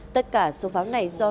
tất cả số pháo này do